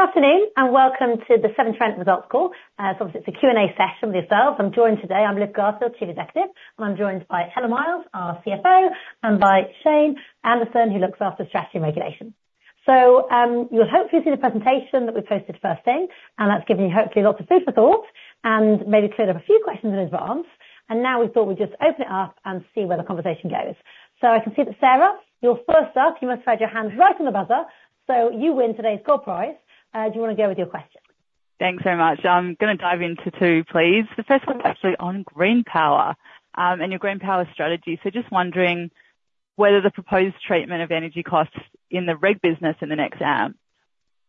Good afternoon and welcome to the Severn Trent Results Call. So obviously, it's a Q&A session with yourselves. I'm joined today. I'm Liv Garfield, Chief Executive, and I'm joined by Helen Miles, our CFO, and by Shane Anderson, who looks after strategy and regulation. So you'll hopefully see the presentation that we posted first thing, and that's given you hopefully lots of food for thought and maybe cleared up a few questions in advance. And now we thought we'd just open it up and see where the conversation goes. So I can see that, Sarah, you're first up. You must have had your hands right on the buzzer, so you win today's gold prize. Do you want to go with your question? Thanks so much. I'm going to dive into two, please. The first one is actually on green power and your green power strategy. So just wondering whether the proposed treatment of energy costs in the Reg business in the next AMP,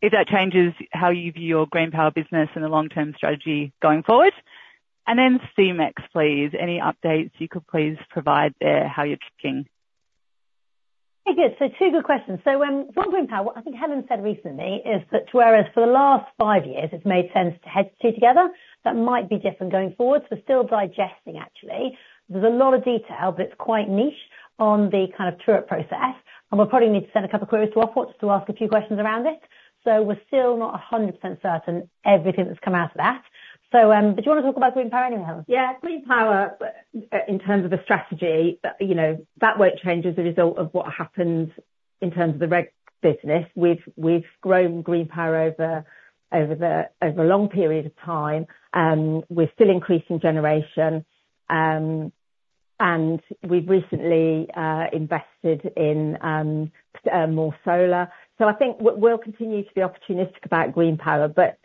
if that changes how you view your green power business and the long-term strategy going forward. And then C-MeX, please, any updates you could please provide there, how you're tracking. Okay, good. So two good questions. So on green power, what I think Helen said recently is that, whereas for the last five years it's made sense to hedge the two together, that might be different going forward. So we're still digesting, actually. There's a lot of detail, but it's quite niche on the kind of true-up process, and we'll probably need to send a couple of queries to Ofwat to ask a few questions around it. So we're still not 100% certain everything that's come out of that. So did you want to talk about green power anyway, Helen? Yeah, green power, in terms of the strategy, that won't change as a result of what happens in terms of the Reg business. We've grown green power over a long period of time. We're still increasing generation, and we've recently invested in more solar. So I think we'll continue to be opportunistic about green power, but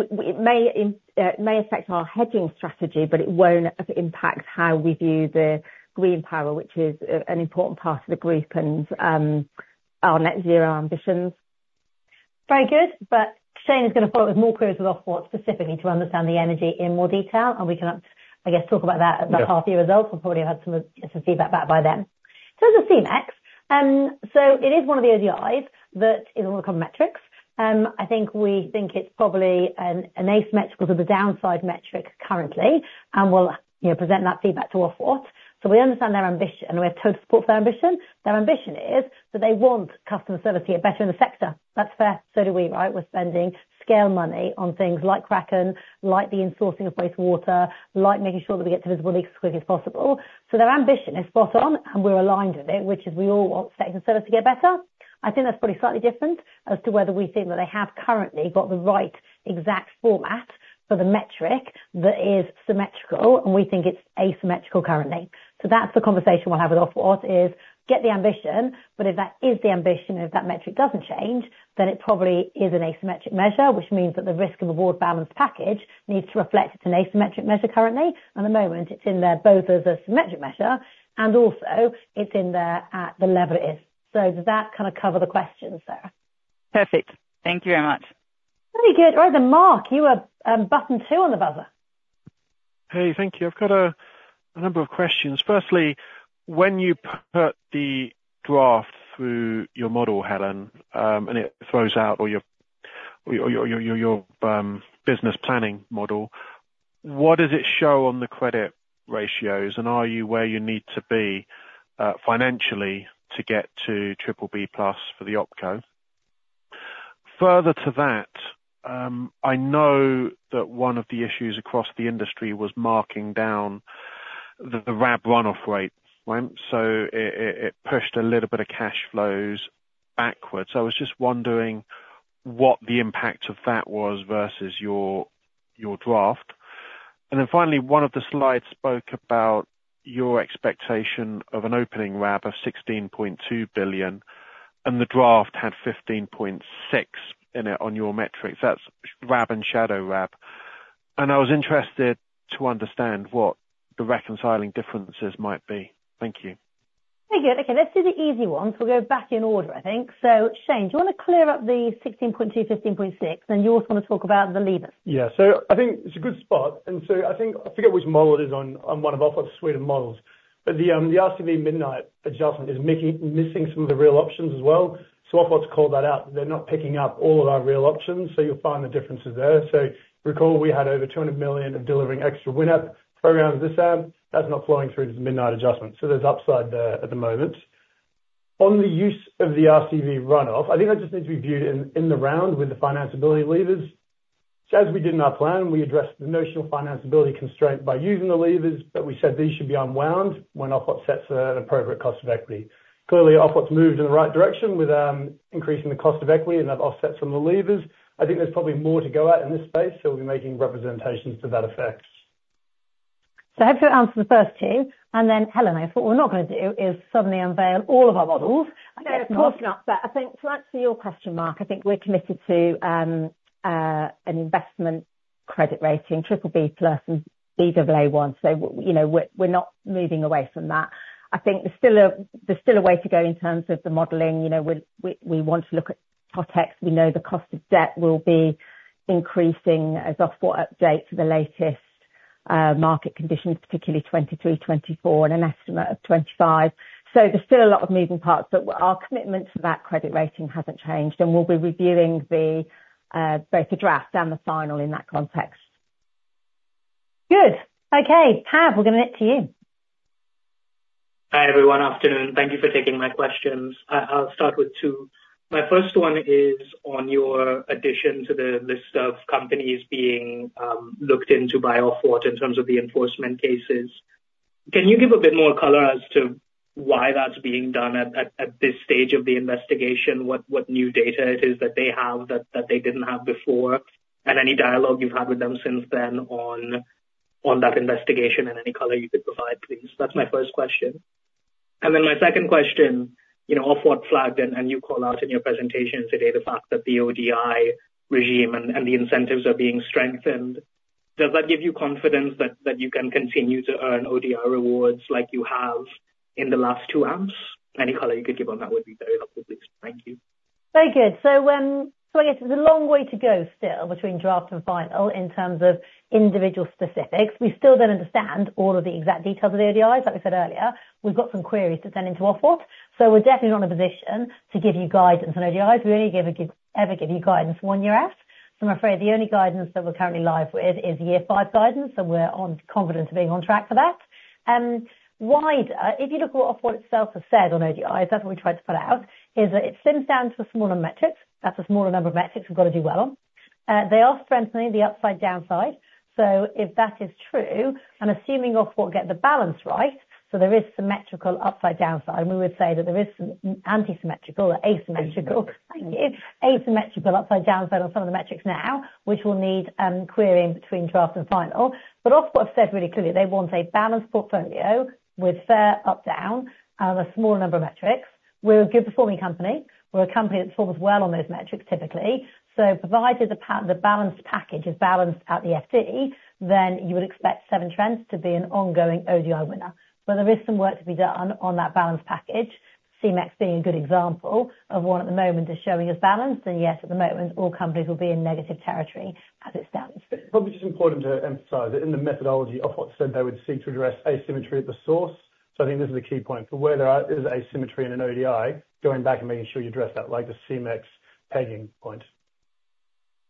it may affect our hedging strategy, but it won't impact how we view the green power, which is an important part of the group and our net zero ambitions. Very good. But Shane is going to follow up with more queries with Ofwat specifically to understand the energy in more detail, and we can, I guess, talk about that at the half-year results and probably have some feedback back by then. So as a C-MeX, so it is one of the ODIs that is on the carbon metrics. I think we think it's probably an asymmetrical to the downside metric currently, and we'll present that feedback to Ofwat. So we understand their ambition, and we have total support for their ambition. Their ambition is that they want customer service to get better in the sector. That's fair. So do we, right? We're spending scale money on things like Kraken, like the insourcing of wastewater, like making sure that we get to visible leaks as quickly as possible. So their ambition is spot on, and we're aligned with it, which is we all want sector service to get better. I think that's probably slightly different as to whether we think that they have currently got the right exact format for the metric that is symmetrical, and we think it's asymmetrical currently. So that's the conversation we'll have with Ofwat: get the ambition, but if that is the ambition, if that metric doesn't change, then it probably is an asymmetric measure, which means that the risk of a reward-balanced package needs to reflect it's an asymmetric measure currently. At the moment, it's in there both as a symmetric measure, and also it's in there at the level it is. So does that kind of cover the questions, Sarah? Perfect. Thank you very much. Very good. All right, then Mark, you are button two on the buzzer. Hey, thank you. I've got a number of questions. Firstly, when you put the draft through your model, Helen, and it throws out your business planning model, what does it show on the credit ratios, and are you where you need to be financially to get to BBB+ for the OpCo? Further to that, I know that one of the issues across the industry was marking down the RAB runoff rate, right? So it pushed a little bit of cash flows backwards. I was just wondering what the impact of that was versus your draft. And then finally, one of the slides spoke about your expectation of an opening RAB of 16.2 billion, and the draft had 15.6 billion in it on your metrics. That's RAB and shadow RAB. And I was interested to understand what the reconciling differences might be. Thank you. Very good. Okay, let's do the easy ones. We'll go back in order, I think. So Shane, do you want to clear up the 16.2, 15.6, and you also want to talk about the levers? Yeah, so I think it's a good spot. I think I forget which model it is on one of Ofwat's suite of models, but the RCV midnight adjustment is missing some of the real options as well. So Ofwat called that out. They're not picking up all of our real options, so you'll find the differences there. So recall we had over 200 million of delivering extra wind-up programs. This AMP, that's not flowing through to the midnight adjustment. So there's upside there at the moment. On the use of the RCV runoff, I think that just needs to be viewed in the round with the financeability levers. So as we did in our plan, we addressed the notional financeability constraint by using the levers, but we said these should be unwound when Ofwat sets an appropriate cost of equity. Clearly, Ofwat moved in the right direction with increasing the cost of equity and that offsets from the levers. I think there's probably more to go at in this space, so we'll be making representations to that effect. I hope you'll answer the first two. Then Helen, I thought we're not going to do is suddenly unveil all of our models. No, of course not. But I think to answer your question, Mark, I think we're committed to an investment credit rating, BBB+ and Baa1. So we're not moving away from that. I think there's still a way to go in terms of the modeling. We want to look at context. We know the cost of debt will be increasing as Ofwat updates the latest market conditions, particularly 2023, 2024, and an estimate of 2025. So there's still a lot of moving parts, but our commitment to that credit rating hasn't changed, and we'll be reviewing both the draft and the final in that context. Good. Okay, Bob, we're going to let to you. Hi everyone, afternoon. Thank you for taking my questions. I'll start with two. My first one is on your addition to the list of companies being looked into by Ofwat in terms of the enforcement cases. Can you give a bit more color as to why that's being done at this stage of the investigation, what new data it is that they have that they didn't have before, and any dialogue you've had with them since then on that investigation and any color you could provide, please? That's my first question. And then my second question, Ofwat flagged, and you call out in your presentation today, the fact that the ODI regime and the incentives are being strengthened. Does that give you confidence that you can continue to earn ODI rewards like you have in the last two AMPs? Any color you could give on that would be very helpful, please. Thank you. Very good. So I guess there's a long way to go still between draft and final in terms of individual specifics. We still don't understand all of the exact details of the ODIs, like we said earlier. We've got some queries to send into Ofwat. So we're definitely not in a position to give you guidance on ODIs. We only ever give you guidance one year out. So I'm afraid the only guidance that we're currently live with is year five guidance, so we're confident of being on track for that. Wider, if you look at what Ofwat itself has said on ODIs, that's what we tried to put out, is that it boils down to a smaller metric. That's a smaller number of metrics we've got to do well on. They are strengthening the upside downside. So if that is true, I'm assuming Ofwat will get the balance right. So there is symmetrical upside downside. We would say that there is some anti-symmetrical or asymmetrical. Thank you. Asymmetrical upside downside on some of the metrics now, which will need querying between draft and final. But Ofwat have said really clearly they want a balanced portfolio with fair up/down and a smaller number of metrics. We're a good performing company. We're a company that performs well on those metrics typically. So provided the balanced package is balanced at the FD, then you would expect Severn Trent to be an ongoing ODI winner. But there is some work to be done on that balanced package. C-MeX being a good example of one at the moment is showing us balance, then yes, at the moment all companies will be in negative territory as it stands. It's probably just important to emphasize that in the methodology, Ofwat said they would seek to address asymmetry at the source. So I think this is a key point for where there is asymmetry in an ODI, going back and making sure you address that, like the C-MeX pegging point.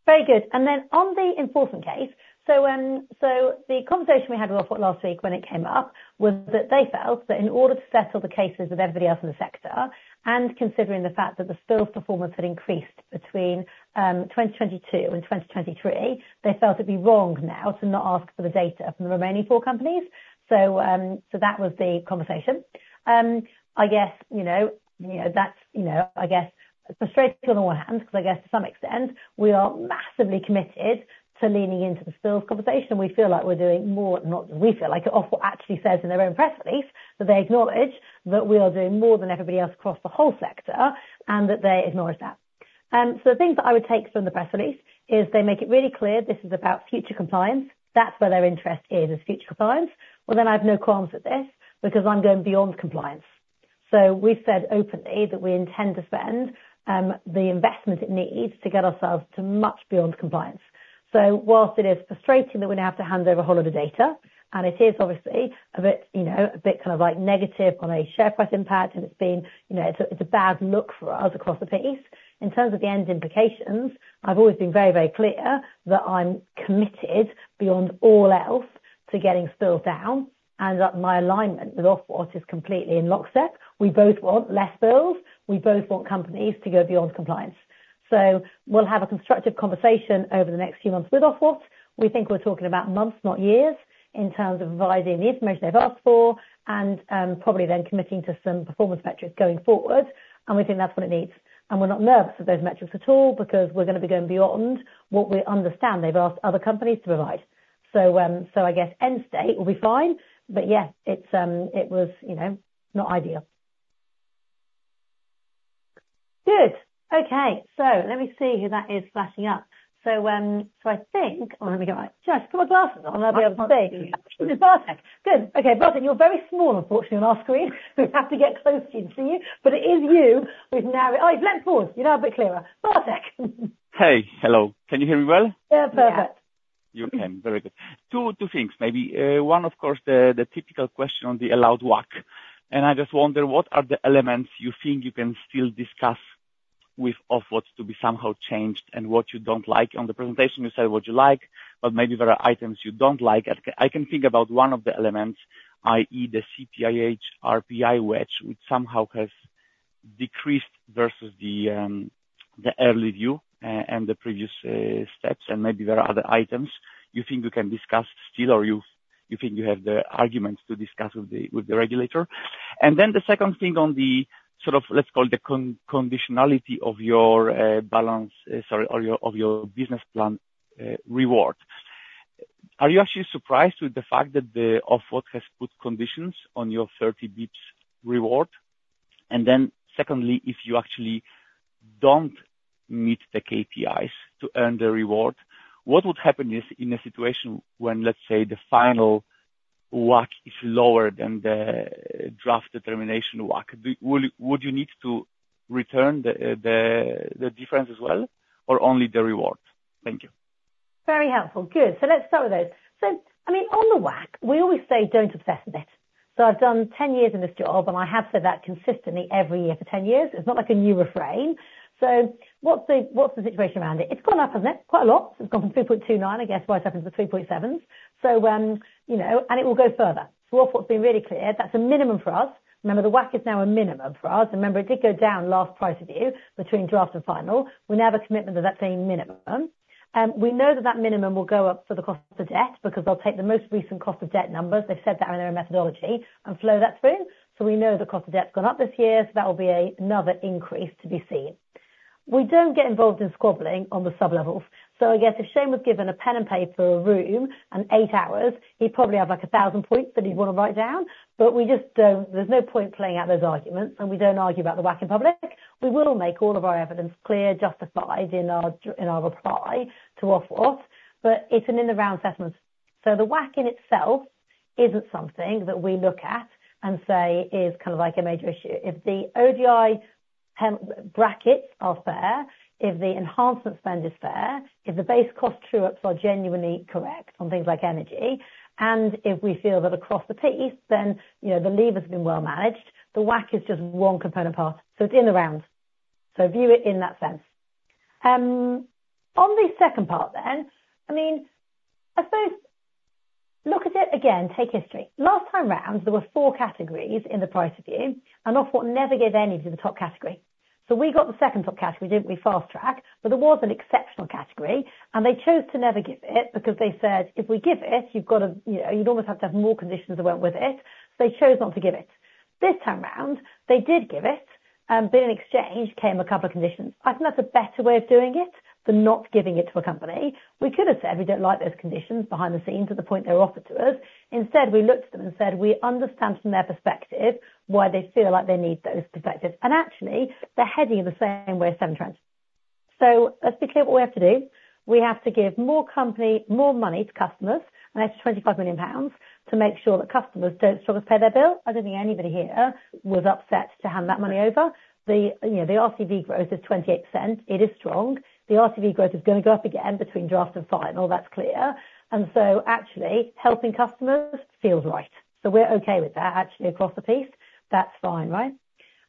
Very good. And then on the enforcement case, so the conversation we had with Ofwat last week when it came up was that they felt that in order to settle the cases with everybody else in the sector and considering the fact that the spills performance had increased between 2022 and 2023, they felt it'd be wrong now to not ask for the data from the remaining four companies. So that was the conversation. I guess that's, I guess, frustrating on the one hand, because I guess to some extent we are massively committed to leaning into the spills conversation, and we feel like we're doing more than we feel like Ofwat actually says in their own press release that they acknowledge that we are doing more than everybody else across the whole sector and that they acknowledge that. So the things that I would take from the press release is they make it really clear this is about future compliance. That's where their interest is, is future compliance. Well, then I have no qualms with this because I'm going beyond compliance. So we've said openly that we intend to spend the investment it needs to get ourselves to much beyond compliance. So while it is frustrating that we now have to hand over a whole lot of data, and it is obviously a bit kind of like negative on a share price impact, and it's been a bad look for us across the piece, in terms of the end implications, I've always been very, very clear that I'm committed beyond all else to getting spills down and that my alignment with Ofwat is completely in lockstep. We both want less spills. We both want companies to go beyond compliance. So we'll have a constructive conversation over the next few months with Ofwat. We think we're talking about months, not years, in terms of providing the information they've asked for and probably then committing to some performance metrics going forward. And we think that's what it needs. And we're not nervous of those metrics at all because we're going to be going beyond what we understand they've asked other companies to provide. So I guess end state will be fine, but yeah, it was not ideal. Good. Okay, so let me see who that is flashing up. So I think, let me get my glasses on. I'll be able to see. This is Bartek. Good. Okay, Bartek, you're very small, unfortunately, on our screen. We have to get close to you and see you, but it is you with narrow eyes. Let's pause. You're now a bit clearer. Bartek. Hey, hello. Can you hear me well? Yeah, perfect. You can. Very good. Two things maybe. One, of course, the typical question on the allowed WACC. And I just wonder what are the elements you think you can still discuss with Ofwat to be somehow changed and what you don't like on the presentation. You said what you like, but maybe there are items you don't like. I can think about one of the elements, i.e., the CPIH-RPI wedge, which somehow has decreased versus the early view and the previous steps. And maybe there are other items you think we can discuss still or you think you have the arguments to discuss with the regulator. And then the second thing on the sort of, let's call it the conditionality of your balance, sorry, of your business plan reward. Are you actually surprised with the fact that Ofwat has put conditions on your 30 bps reward? And then secondly, if you actually don't meet the KPIs to earn the reward, what would happen in a situation when, let's say, the final WACC is lower than the draft determination WACC? Would you need to return the difference as well or only the reward? Thank you. Very helpful. Good. So let's start with those. So I mean, on the WACC, we always say don't obsess on it. So I've done 10 years in this job, and I have said that consistently every year for 10 years. It's not like a new refrain. So what's the situation around it? It's gone up, hasn't it? Quite a lot. It's gone from 3.29, I guess, went up into the 3.7s. And it will go further. So Ofwat has been really clear that's a minimum for us. Remember, the WACC is now a minimum for us. And remember, it did go down last price review between draft and final. We now have a commitment to that same minimum. We know that that minimum will go up for the cost of debt because they'll take the most recent cost of debt numbers. They've said that in their methodology and flow that through. So we know the cost of debt's gone up this year, so that will be another increase to be seen. We don't get involved in squabbling on the sub-levels. So I guess if Shane was given a pen and paper room and 8 hours, he'd probably have like 1,000 points that he'd want to write down, but we just don't, there's no point playing out those arguments, and we don't argue about the WACC in public. We will make all of our evidence clear, justified in our reply to Ofwat, but it's an in-the-round settlement. So the WACC in itself isn't something that we look at and say is kind of like a major issue. If the ODI brackets are fair, if the enhancement spend is fair, if the base cost true-ups are genuinely correct on things like energy, and if we feel that across the piece, then the levers have been well managed, the whack is just one component part. So it's in the round. So view it in that sense. On the second part then, I mean, I suppose look at it again, take history. Last time round, there were four categories in the price review, and Ofwat never gave any to the top category. So we got the second top category, didn't we? Fast track. But there was an exceptional category, and they chose to never give it because they said if we give it, you'd almost have to have more conditions that went with it. So they chose not to give it. This time round, they did give it, but in exchange came a couple of conditions. I think that's a better way of doing it than not giving it to a company. We could have said we don't like those conditions behind the scenes to the point they were offered to us. Instead, we looked at them and said we understand from their perspective why they feel like they need those perspectives. And actually, they're heading in the same way as Severn Trent. So let's be clear what we have to do. We have to give more company, more money to customers, and that's 25 million pounds to make sure that customers don't struggle to pay their bill. I don't think anybody here was upset to hand that money over. The RCV growth is 28%. It is strong. The RCV growth is going to go up again between draft and final. That's clear. And so actually helping customers feels right. So we're okay with that actually across the piece. That's fine, right?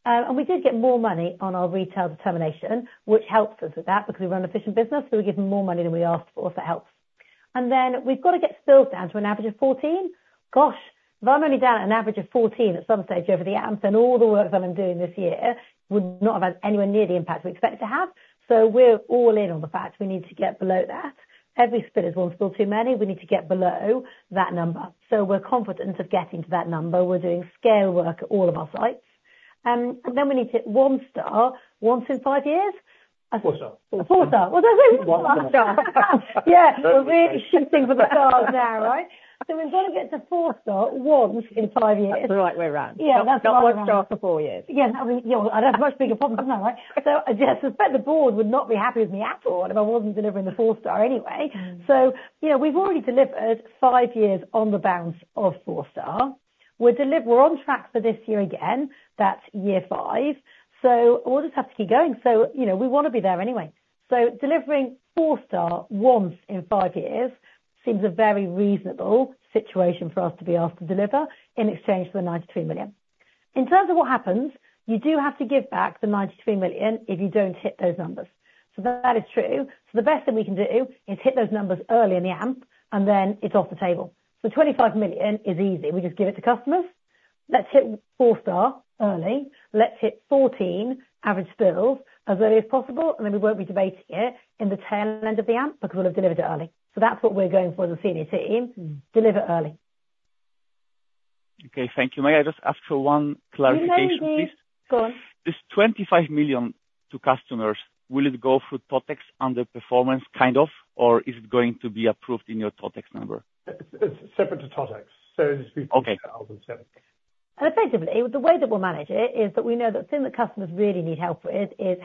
And we did get more money on our retail determination, which helps us with that because we run an efficient business. So we're given more money than we asked for, so it helps. And then we've got to get spills down to an average of 14. Gosh, if I'm only down at an average of 14 at some stage over the AMPs and all the work that I'm doing this year would not have had anywhere near the impact we expect to have. So we're all in on the fact we need to get below that. Every spill is one spill too many. We need to get below that number. So we're confident of getting to that number. We're doing scale work at all of our sites. We need to get one star once in five years. Four star. Four star. One star. Yeah. We're really shooting for the stars now, right? So we've got to get to four-star once in five years. That's the right way around. Yeah. That's one star for four years. Yeah. That's a much bigger problem somehow, right? So I suspect the board would not be happy with me at all if I wasn't delivering the four star anyway. So we've already delivered five years on the bounce of four star. We're on track for this year again. That's year five. So we'll just have to keep going. So we want to be there anyway. So delivering four star once in five years seems a very reasonable situation for us to be asked to deliver in exchange for the 93 million. In terms of what happens, you do have to give back the 93 million if you don't hit those numbers. So that is true. So the best thing we can do is hit those numbers early in the amp, and then it's off the table. So 25 million is easy. We just give it to customers. Let's hit 4 star early. Let's hit 14 average spills as early as possible, and then we won't be debating it in the tail end of the AMP because we'll have delivered it early. So that's what we're going for as a senior team. Deliver early. Okay. Thank you. May I just ask for one clarification, please? Go on. This 25 million to customers, will it go through TOTEX under performance kind of, or is it going to be approved in your TOTEX number? It's separate to TOTEX. So it's between 1,000 and GBP 7,000. Effectively, the way that we'll manage it is that we know that the thing that customers really need help with is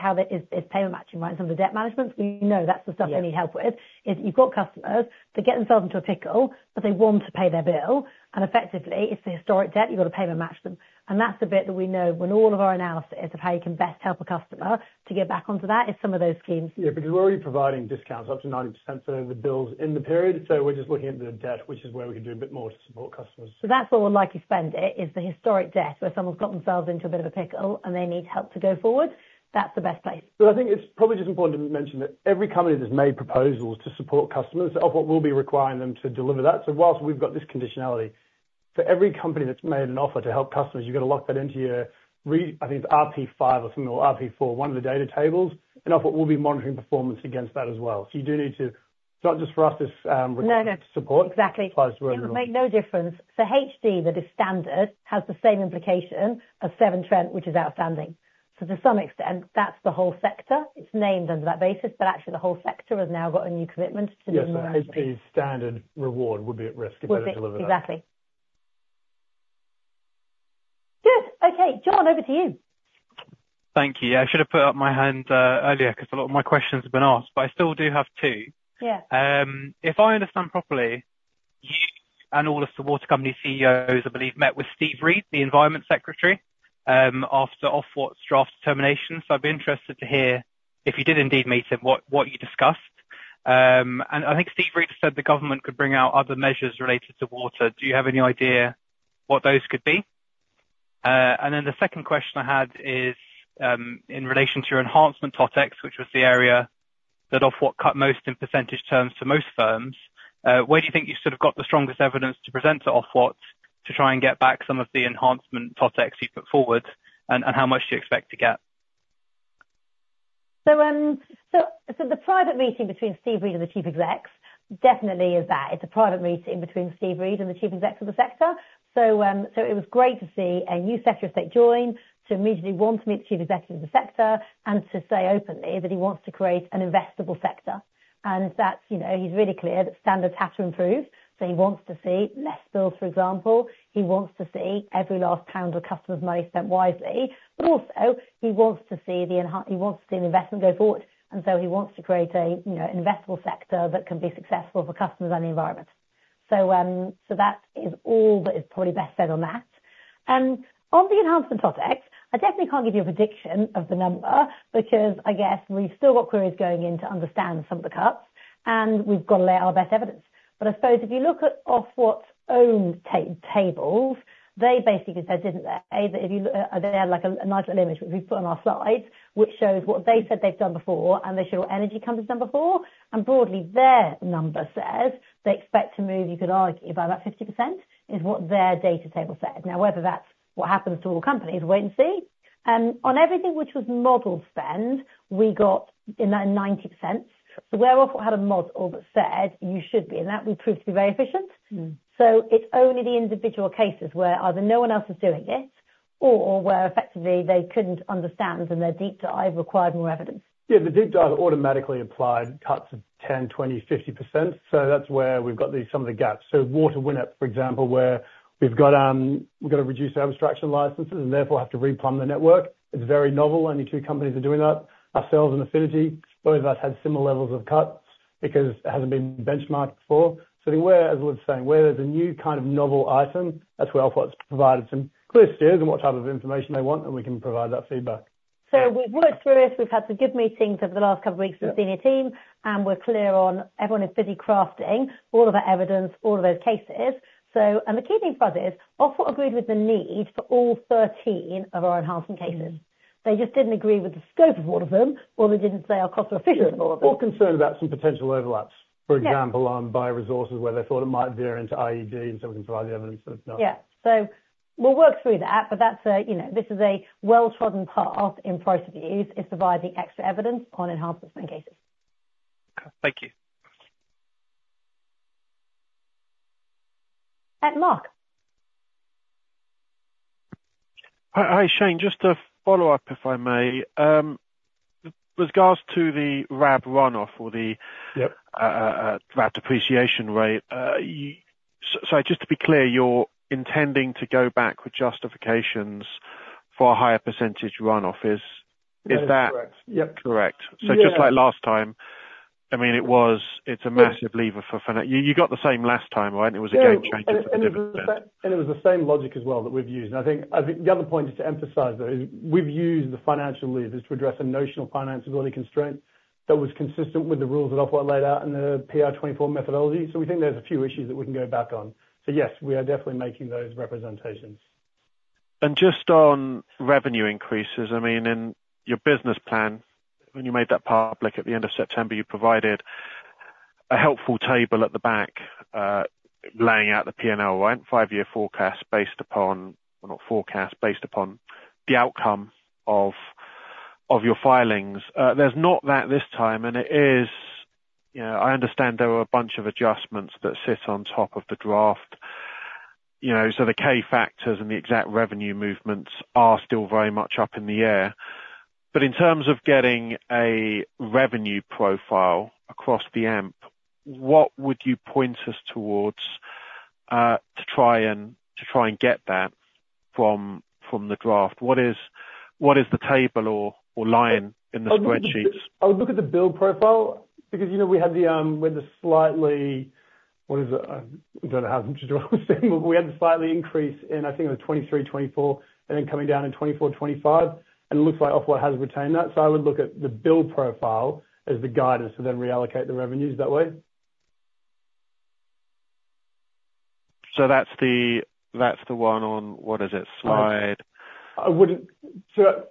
payment matching, right? In terms of debt management, we know that's the stuff they need help with. It's that you've got customers that get themselves into a pickle, but they want to pay their bill. And effectively, it's the historic debt you've got to pay and match them. And that's the bit that we know when all of our analysis of how you can best help a customer to get back onto that is some of those schemes. Yeah, because we're already providing discounts up to 90% for the bills in the period. So we're just looking at the debt, which is where we can do a bit more to support customers. That's what we'll likely spend it, is the historic debt where someone's got themselves into a bit of a pickle and they need help to go forward. That's the best place. But I think it's probably just important to mention that every company that's made proposals to support customers, Ofwat will be requiring them to deliver that. So while we've got this conditionality, for every company that's made an offer to help customers, you've got to lock that into your, I think it's RP5 or something or RP4, one of the data tables. Ofwat will be monitoring performance against that as well. So you do need to, it's not just for us, it's required to support. Exactly. It'll make no difference. So HD that is standard has the same implication as Severn Trent, which is outstanding. So to some extent, that's the whole sector. It's named under that basis, but actually the whole sector has now got a new commitment to deliver that. Yes, so HD's standard reward would be at risk if they don't deliver that. Exactly. Good. Okay. John, over to you. Thank you. Yeah, I should have put up my hand earlier because a lot of my questions have been asked, but I still do have two. If I understand properly, you and all of the water company CEOs, I believe, met with Steve Reed, the Environment Secretary, after Ofwat's draft determination. So I'd be interested to hear if you did indeed meet him, what you discussed. And I think Steve Reed said the government could bring out other measures related to water. Do you have any idea what those could be? And then the second question I had is in relation to your enhancement TOTEX, which was the area that Ofwat cut most in percentage terms to most firms. Where do you think you've sort of got the strongest evidence to present to Ofwat to try and get back some of the enhancement TOTEX you put forward, and how much do you expect to get? So the private meeting between Steve Reed and the chief execs definitely is that. It's a private meeting between Steve Reed and the chief execs of the sector. So it was great to see a new Secretary of State join to immediately want to meet the chief executive of the sector and to say openly that he wants to create an investable sector. And he's really clear that standards have to improve. So he wants to see less spills, for example. He wants to see every last pound of customer's money spent wisely. But also, he wants to see the investment go forward. And so he wants to create an investable sector that can be successful for customers and the environment. So that is all that is probably best said on that. On the enhancement TOTEX, I definitely can't give you a prediction of the number because I guess we've still got queries going in to understand some of the cuts, and we've got to lay out our best evidence. But I suppose if you look at Ofwat's own tables, they basically said, didn't they, that if you look at, they had like a nice little image, which we've put on our slides, which shows what they said they've done before and they show what energy companies have done before. And broadly, their number says they expect to move, you could argue, by about 50% is what their data table said. Now, whether that's what happens to all companies, we'll wait and see. On everything which was model spend, we got in that 90%. Where Ofwat had a model that said you should be in that, we proved to be very efficient. It's only the individual cases where either no one else is doing it or where effectively they couldn't understand and their deep dive required more evidence. Yeah, the deep dive automatically applied cuts of 10%, 20%, 50%. So that's where we've got some of the gaps. So Water WINEP, for example, where we've got to reduce our abstraction licenses and therefore have to replumb the network. It's very novel. Only two companies are doing that. Ourselves and Affinity, both of us had similar levels of cuts because it hasn't been benchmarked before. So I think where, as I was saying, where there's a new kind of novel item, that's where Ofwat's provided some clear steers on what type of information they want, and we can provide that feedback. So we've worked through it. We've had some good meetings over the last couple of weeks with the senior team, and we're clear on everyone is busy crafting all of our evidence, all of those cases. The key thing for us is Ofwat's agreed with the need for all 13 of our enhancement cases. They just didn't agree with the scope of all of them, or they didn't say our costs were efficient in all of them. Or concerned about some potential overlaps, for example, on bioresources where they thought it might veer into IED and so we can provide the evidence that it's not. Yeah. So we'll work through that, but this is a well-trodden path in price reviews is providing extra evidence on enhancement spend cases. Thank you. Mark. Hi, Shane. Just a follow-up, if I may. With regards to the RAB runoff or the RAB depreciation rate, sorry, just to be clear, you're intending to go back with justifications for a higher percentage runoff. Is that correct? Yep. Correct. So just like last time, I mean, it's a massive lever for finance. You got the same last time, right? It was a game changer for dividends. It was the same logic as well that we've used. I think the other point is to emphasize that we've used the financial levers to address a notional financeability constraint that was consistent with the rules that Ofwat laid out in the PR24 methodology. We think there's a few issues that we can go back on. Yes, we are definitely making those representations. Just on revenue increases, I mean, in your business plan, when you made that public at the end of September, you provided a helpful table at the back laying out the P&L, right? Five-year forecast based upon, well, not forecast, based upon the outcome of your filings. There's not that this time, and it is, I understand there were a bunch of adjustments that sit on top of the draft. So the K factors and the exact revenue movements are still very much up in the air. But in terms of getting a revenue profile across the AMP, what would you point us towards to try and get that from the draft? What is the table or line in the spreadsheet? I would look at the build profile because we had the slight, what is it? I don't know how to draw this down, but we had the slight increase in, I think it was 2023, 2024, and then coming down in 2024, 2025. And it looks like Ofwat has retained that. So I would look at the build profile as the guidance to then reallocate the revenues that way. That's the one on what is it? Slide. I wouldn't know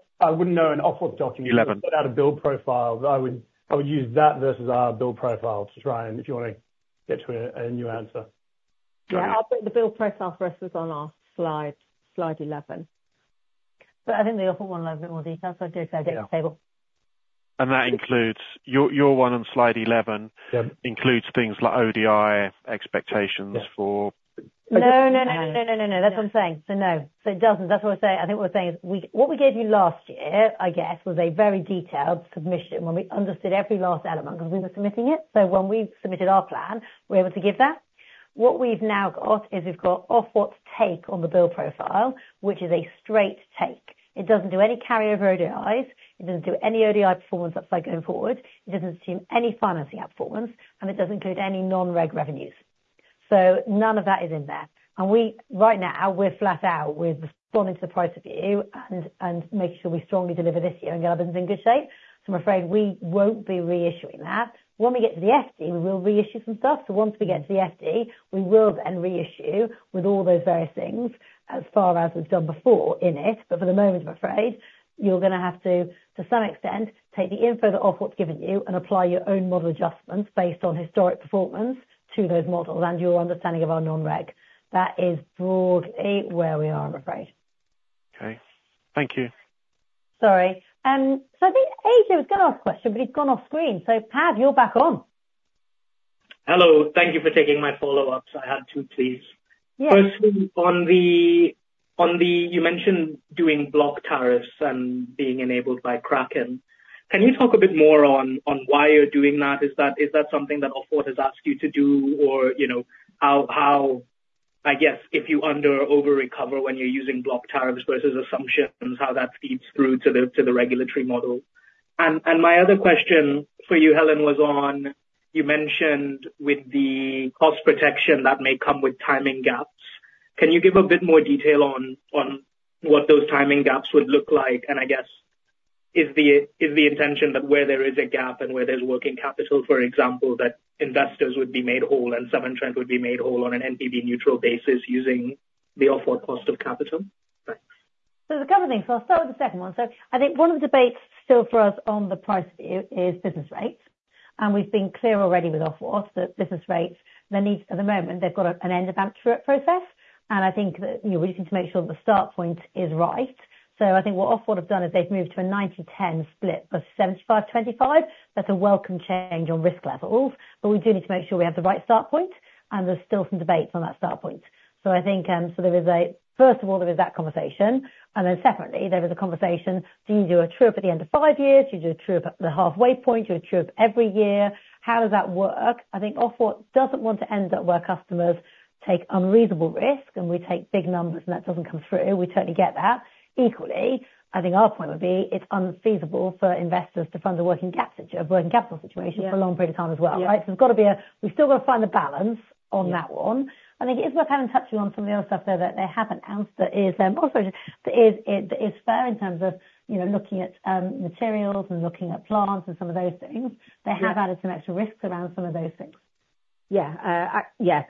an Ofwat's document. 11. Without a build profile, I would use that versus our build profile to try and, if you want to get to a new answer. Yeah. I'll put the build profile for us was on our slide, slide 11. But I think the Ofwat's one has a bit more detail. So I'd say I get the table. That includes your one on slide 11 includes things like ODI expectations for. No, no, no, no, no, no, no. That's what I'm saying. So no. So it doesn't. That's what I was saying. I think what we're saying is what we gave you last year, I guess, was a very detailed submission where we understood every last element because we were submitting it. So when we submitted our plan, we were able to give that. What we've now got is we've got Ofwat's take on the build profile, which is a straight take. It doesn't do any carryover ODIs. It doesn't do any ODI performance upside going forward. It doesn't assume any financing outperformance, and it doesn't include any non-REG revenues. So none of that is in there. And right now, we're flat out with responding to the price review and making sure we strongly deliver this year and get our business in good shape. So I'm afraid we won't be reissuing that. When we get to the FD, we will reissue some stuff. So once we get to the FD, we will then reissue with all those various things as far as we've done before in it. But for the moment, I'm afraid you're going to have to, to some extent, take the info that Ofwat has given you and apply your own model adjustments based on historic performance to those models and your understanding of our non-REG. That is broadly where we are, I'm afraid. Okay. Thank you. Sorry. So I think AJ was going to ask a question, but he's gone off screen. So Pat, you're back on. Hello. Thank you for taking my follow-ups. I had two, please. Yeah. Firstly, on the you mentioned doing block tariffs and being enabled by Kraken. Can you talk a bit more on why you're doing that? Is that something that Ofwat has asked you to do, or how, I guess, if you under or over-recover when you're using block tariffs versus assumptions, how that feeds through to the regulatory model? And my other question for you, Helen, was on you mentioned with the cost protection that may come with timing gaps. Can you give a bit more detail on what those timing gaps would look like? And I guess is the intention that where there is a gap and where there's working capital, for example, that investors would be made whole and Severn Trent would be made whole on an NPB neutral basis using the Ofwat cost of capital? Thanks. A couple of things. I'll start with the second one. I think one of the debates still for us on the price review is business rates. We've been clear already with Ofwat that business rates, at the moment, they've got an end-of-AMP process. I think we just need to make sure that the start point is right. I think what Ofwat have done is they've moved to a 90/10 split of 75/25. That's a welcome change on risk levels. We do need to make sure we have the right start point. There's still some debates on that start point. There is a first of all, there is that conversation. Then secondly, there is a conversation, do you do a true-up at the end of five years? Do you do a true-up at the halfway point? Do you do a true-up every year? How does that work? I think Ofwat doesn't want to end up where customers take unreasonable risk and we take big numbers and that doesn't come through. We totally get that. Equally, I think our point would be it's unfeasible for investors to fund a working capital situation for a long period of time as well, right? So there's got to be a. We've still got to find the balance on that one. I think it is worth having touched on some of the other stuff there that they haven't announced that is more so that is fair in terms of looking at materials and looking at plants and some of those things. They have added some extra risks around some of those things. Yeah. Yeah.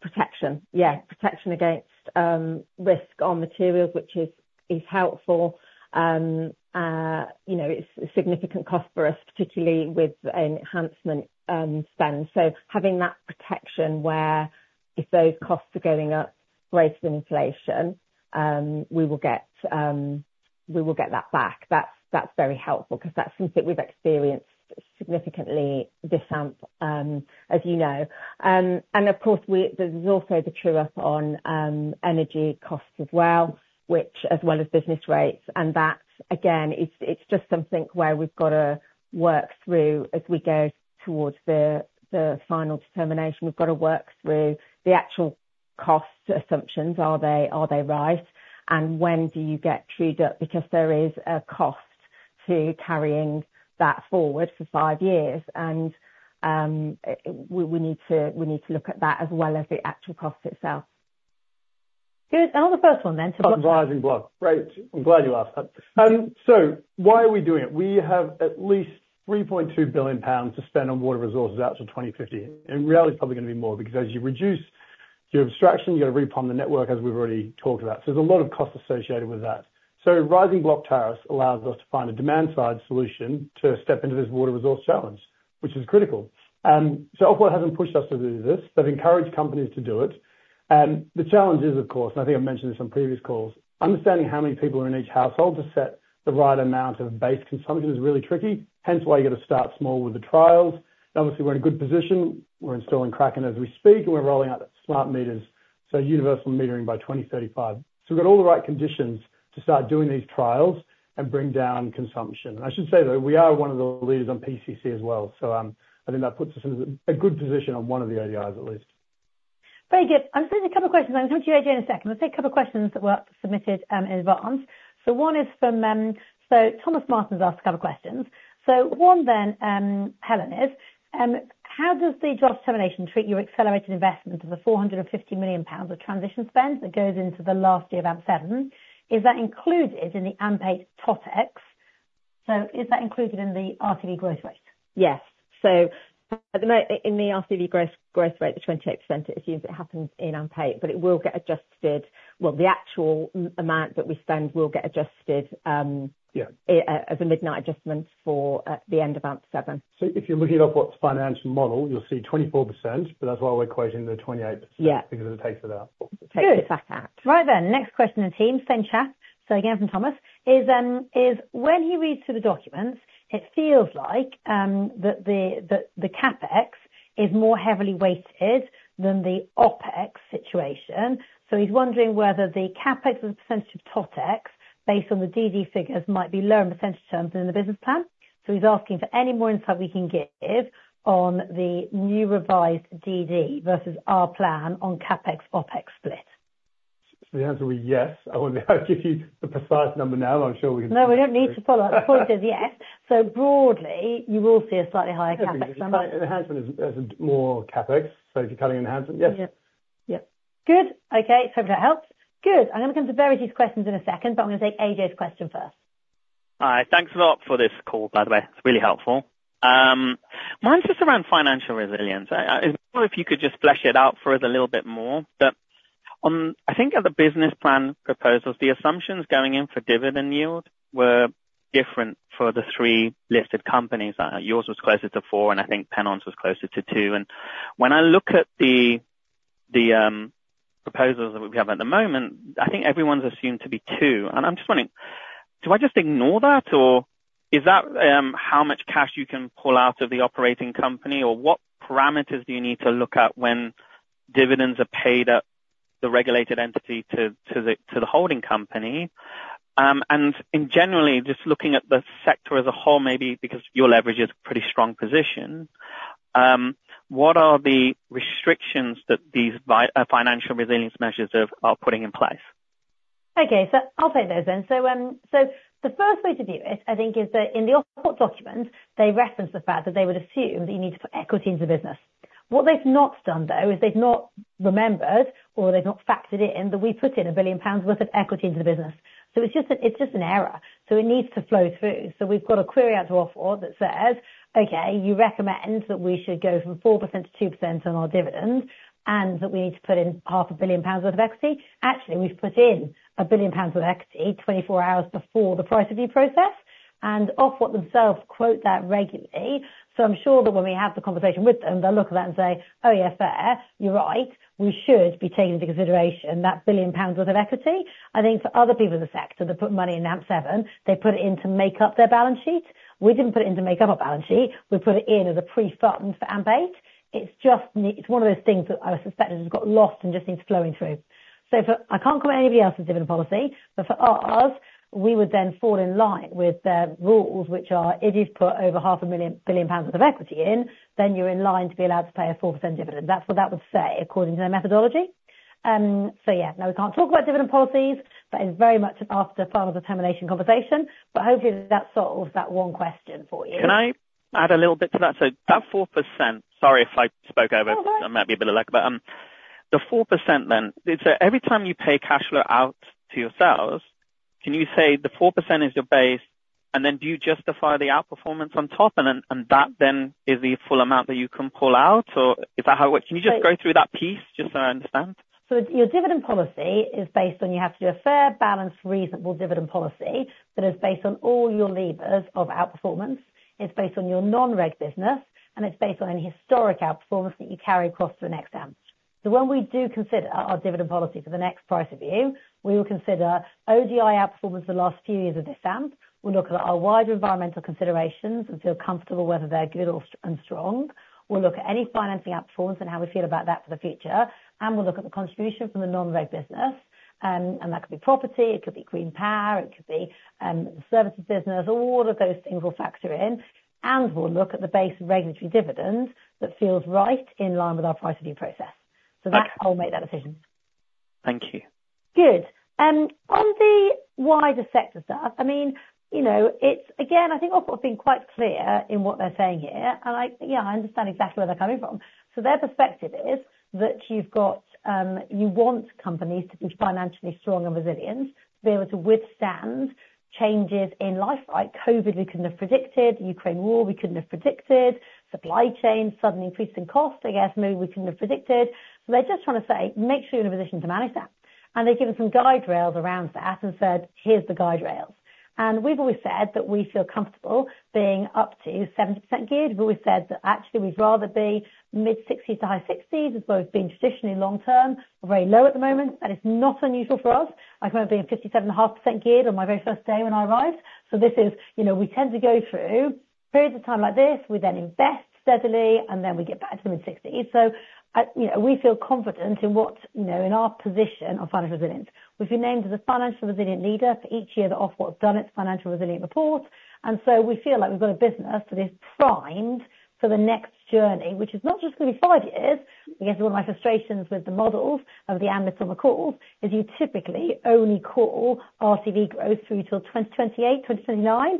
Protection. Yeah. Protection against risk on materials, which is helpful. It's a significant cost for us, particularly with enhancement spend. So having that protection where if those costs are going up, rates of inflation, we will get that back. That's very helpful because that's something we've experienced significantly this AMP, as you know. And of course, there's also the true-up on energy costs as well, which as well as business rates. And that, again, it's just something where we've got to work through as we go towards the final determination. We've got to work through the actual cost assumptions. Are they right? And when do you get trued up? Because there is a cost to carrying that forward for five years. And we need to look at that as well as the actual cost itself. Good. And on the first one then. Rising block. Great. I'm glad you asked that. So why are we doing it? We have at least 3.2 billion pounds to spend on water resources out to 2050. In reality, it's probably going to be more because as you reduce your abstraction, you've got to replumb the network, as we've already talked about. So there's a lot of cost associated with that. So rising block tariffs allows us to find a demand-side solution to step into this water resource challenge, which is critical. So Ofwat hasn't pushed us to do this. They've encouraged companies to do it. And the challenge is, of course, and I think I've mentioned this on previous calls, understanding how many people are in each household to set the right amount of base consumption is really tricky. Hence why you've got to start small with the trials. And obviously, we're in a good position. We're installing Kraken as we speak, and we're rolling out smart meters. So universal metering by 2035. So we've got all the right conditions to start doing these trials and bring down consumption. And I should say, though, we are one of the leaders on PCC as well. So I think that puts us in a good position on one of the ODIs, at least. Very good. I'm just going to say a couple of questions. I'm going to come to you, AJ, in a second. I'm going to say a couple of questions that were submitted in advance. So one is from so Thomas Martin asked a couple of questions. So one then, Helen is, how does the draft determination treat your accelerated investment of the 450 million pounds of transition spend that goes into the last year of AMP7? Is that included in the AMP8 TOTEX? So is that included in the RCV growth rate? Yes. So in the RCV growth rate, the 28%, it assumes it happens in AMP8, but it will get adjusted. Well, the actual amount that we spend will get adjusted as a midnight adjustment for the end of AMP7. If you're looking at Ofwat's financial model, you'll see 24%, but that's why we're quoting the 28% because it takes it out. It takes it back out. Right then. Next question in the team. Same chat. So again from Thomas. When he reads through the documents, it feels like that the CapEx is more heavily weighted than the OPEX situation. So he's wondering whether the CapEx as a percentage of TOTEX, based on the DD figures, might be lower in percentage terms than in the business plan. So he's asking for any more insight we can give on the new revised DD versus our plan on CapEx-OpEx split. The answer would be yes. I won't be able to give you the precise number now. I'm sure we can do that. No, we don't need to follow up. The point is yes. So broadly, you will see a slightly higher CapEx number. The enhancement is more CapEx. So if you're cutting enhancement, yes. Yep. Yep. Good. Okay. So hopefully that helps. Good. I'm going to come to Verity's questions in a second, but I'm going to take AJ's question first. Hi. Thanks a lot for this call, by the way. It's really helpful. My answer is around financial resilience. I don't know if you could just flesh it out for us a little bit more. But I think at the business plan proposals, the assumptions going in for dividend yield were different for the three listed companies. Yours was closer to 4, and I think Pennon was closer to 2. And when I look at the proposals that we have at the moment, I think everyone's assumed to be 2. And I'm just wondering, do I just ignore that, or is that how much cash you can pull out of the operating company, or what parameters do you need to look at when dividends are paid at the regulated entity to the holding company? Generally, just looking at the sector as a whole, maybe because your leverage is a pretty strong position, what are the restrictions that these financial resilience measures are putting in place? Okay. So I'll take those then. So the first way to view it, I think, is that in the Ofwat's document, they reference the fact that they would assume that you need to put equity into the business. What they've not done, though, is they've not remembered, or they've not factored in that we put in 1 billion pounds worth of equity into the business. So it's just an error. So it needs to flow through. So we've got a query out to Ofwat that says, "Okay, you recommend that we should go from 4% to 2% on our dividend and that we need to put in 500 million pounds worth of equity." Actually, we've put in 1 billion pounds worth of equity 24 hours before the price review process. And Ofwat themselves quote that regularly. So I'm sure that when we have the conversation with them, they'll look at that and say, "Oh, yeah, fair. You're right. We should be taking into consideration that 1 billion pounds worth of equity." I think for other people in the sector that put money in AMP7, they put it in to make up their balance sheet. We didn't put it in to make up our balance sheet. We put it in as a pre-fund for AMP8. It's one of those things that I suspect has got lost and just needs flowing through. So I can't comment on anybody else's dividend policy, but for us, we would then fall in line with the rules, which are if you've put over 500 million pounds worth of equity in, then you're in line to be allowed to pay a 4% dividend. That's what that would say, according to their methodology. So yeah. Now, we can't talk about dividend policies, but it's very much an after-final determination conversation. But hopefully, that solves that one question for you. Can I add a little bit to that? So that 4%, sorry if I spoke over. Oh, go ahead. I might be a bit of a lack of it. The 4% then, so every time you pay cash flow out to yourselves, can you say the 4% is your base, and then do you justify the outperformance on top? And that then is the full amount that you can pull out, or is that how it works? Can you just go through that piece just so I understand? So your dividend policy is based on you have to do a fair, balanced, reasonable dividend policy that is based on all your levers of outperformance. It's based on your non-REG business, and it's based on any historic outperformance that you carry across to the next AMP. So when we do consider our dividend policy for the next price review, we will consider ODI outperformance for the last few years of this AMP. We'll look at our wider environmental considerations and feel comfortable whether they're good and strong. We'll look at any financing outperformance and how we feel about that for the future. And we'll look at the contribution from the non-REG business. And that could be property. It could be green power. It could be the services business. All of those things will factor in. We'll look at the base of regulatory dividend that feels right in line with our price review process. That's how we'll make that decision. Thank you. Good. On the wider sector stuff, I mean, again, I think Ofwat have been quite clear in what they're saying here. And yeah, I understand exactly where they're coming from. So their perspective is that you want companies to be financially strong and resilient to be able to withstand changes in life. Right? COVID, we couldn't have predicted. The Ukraine war, we couldn't have predicted. Supply chain, sudden increase in cost, I guess, maybe we couldn't have predicted. So they're just trying to say, "Make sure you're in a position to manage that." And they've given some guide rails around that and said, "Here's the guide rails." And we've always said that we feel comfortable being up to 70% geared. We've always said that actually we'd rather be mid-60s to high-60s as well as being traditionally long-term or very low at the moment. That is not unusual for us. I can remember being 57.5% geared on my very first day when I arrived. So this is, we tend to go through periods of time like this. We then invest steadily, and then we get back to the mid-60s. So we feel confident in our position on financial resilience. We've been named as a financial resilient leader for each year that Ofwat's has done its financial resilience report. And so we feel like we've got a business that is primed for the next journey, which is not just going to be 5 years. I guess one of my frustrations with the models of the analysts on the calls is you typically only call RCV growth through till 2028, 2029.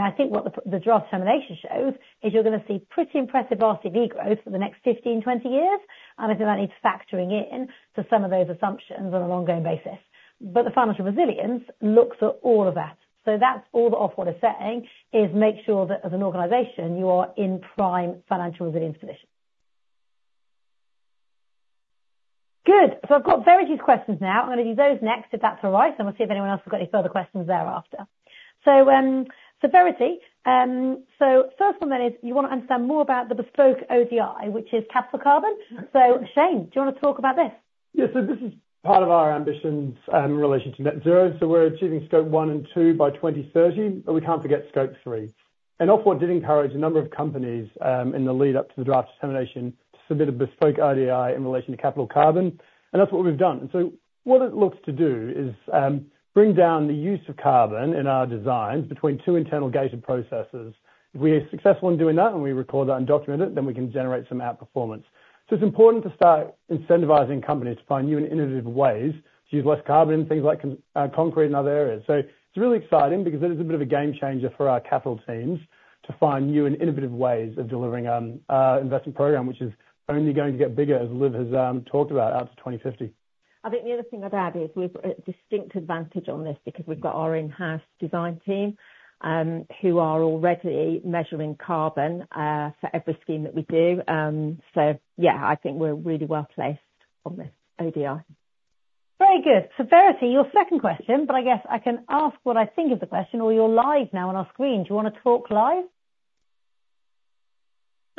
I think what the draft determination shows is you're going to see pretty impressive RCV growth for the next 15, 20 years. And I think that needs factoring in to some of those assumptions on an ongoing basis. But the financial resilience looks at all of that. So that's all that Ofwat is saying is make sure that as an organization, you are in prime financial resilience position. Good. So I've got Verity's questions now. I'm going to do those next, if that's all right. And we'll see if anyone else has got any further questions thereafter. So Verity, so first one then is you want to understand more about the bespoke ODI, which is capital carbon. So Shane, do you want to talk about this? Yeah. So this is part of our ambitions in relation to net zero. So we're achieving scope 1 and 2 by 2030, but we can't forget scope 3. And Ofwat did encourage a number of companies in the lead-up to the draft determination to submit a bespoke ODI in relation to capital carbon. And that's what we've done. And so what it looks to do is bring down the use of carbon in our designs between two internal gated processes. If we are successful in doing that and we record that and document it, then we can generate some outperformance. So it's important to start incentivizing companies to find new and innovative ways to use less carbon in things like concrete and other areas. It's really exciting because it is a bit of a game changer for our capital teams to find new and innovative ways of delivering an investment program, which is only going to get bigger as Liv has talked about out to 2050. I think the other thing I'd add is we've got a distinct advantage on this because we've got our in-house design team who are already measuring carbon for every scheme that we do. So yeah, I think we're really well placed on this ODI. Very good. So Verity, your second question, but I guess I can ask what I think of the question, or you're live now on our screen. Do you want to talk live?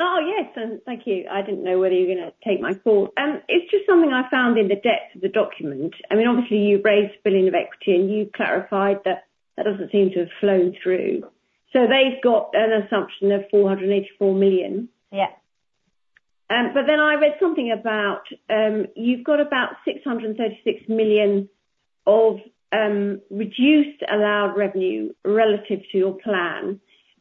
Oh, yes. Thank you. I didn't know whether you were going to take my call. It's just something I found in the depth of the document. I mean, obviously, you raised 1 billion of equity, and you clarified that that doesn't seem to have flown through. So they've got an assumption of 484 million. But then I read something about you've got about 636 million of reduced allowed revenue relative to your plan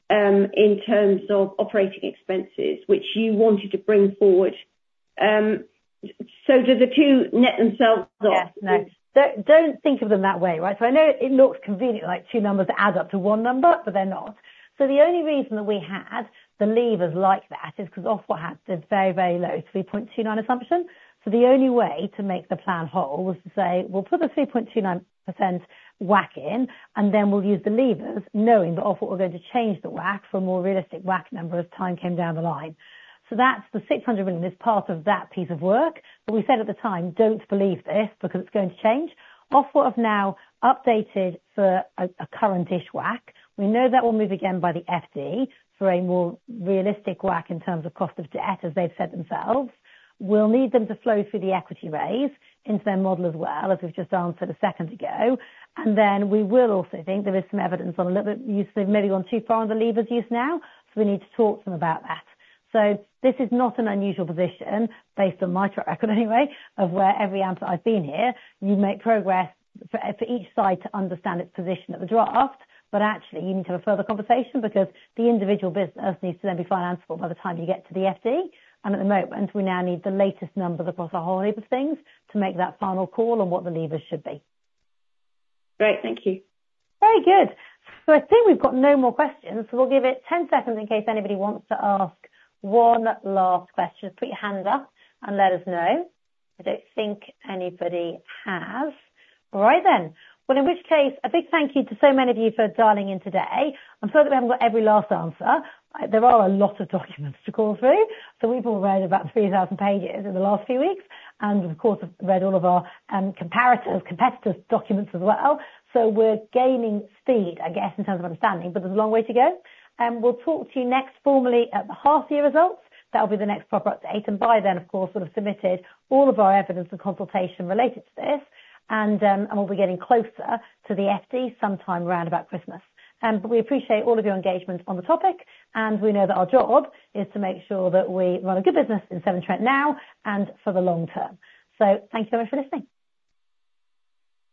in terms of operating expenses, which you wanted to bring forward. So do the two net themselves off? Yeah. No. Don't think of them that way, right? So I know it looks convenient, like two numbers that add up to one number, but they're not. So the only reason that we had the levers like that is because Ofwat had the very, very low 3.29% assumption. So the only way to make the plan whole was to say, "We'll put the 3.29% WACC in, and then we'll use the levers, knowing that Ofwat are going to change the WACC for a more realistic WACC number as time came down the line." So that's the 600 million. It's part of that piece of work. But we said at the time, "Don't believe this because it's going to change." Ofwat have now updated for a current-ish WACC. We know that will move again by the FD for a more realistic WACC in terms of cost of debt, as they've said themselves. We'll need them to flow through the equity raise into their model as well, as we've just answered a second ago. And then we will also think there is some evidence on a little bit of use they've maybe gone too far on the levers use now. So we need to talk to them about that. So this is not an unusual position, based on my track record anyway, of where every AMPs I've been here, you make progress for each side to understand its position at the draft. But actually, you need to have a further conversation because the individual business needs to then be financeable by the time you get to the FD. At the moment, we now need the latest numbers across a whole heap of things to make that final call on what the levers should be. Great. Thank you. Very good. So I think we've got no more questions. So we'll give it 10 seconds in case anybody wants to ask one last question. Just put your hand up and let us know. I don't think anybody has. All right then. Well, in which case, a big thank you to so many of you for dialing in today. I'm sorry that we haven't got every last answer. There are a lot of documents to call through. So we've all read about 3,000 pages in the last few weeks. And of course, we've read all of our competitors' documents as well. So we're gaining speed, I guess, in terms of understanding, but there's a long way to go. And we'll talk to you next formally at the half-year results. That'll be the next proper update. By then, of course, we'll have submitted all of our evidence and consultation related to this. We'll be getting closer to the FD sometime around about Christmas. But we appreciate all of your engagement on the topic. We know that our job is to make sure that we run a good business in Severn Trent now and for the long term. Thank you so much for listening.